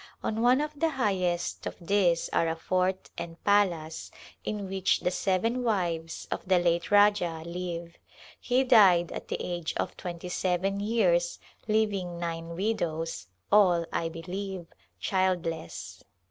On one of the highest of these are a fort and palace in which the seven wives of the late Rajah live. He died at the age of twenty seven years leaving nine widows, all, I believe, childless.